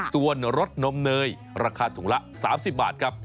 ส่วนรสนมเนยราคาถุงละ๓๐บาทครับ